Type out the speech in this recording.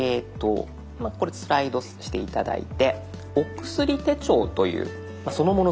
スライドして頂いて「お薬手帳」というそのもの